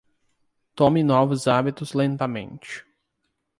Tome novos hábitos lentamente.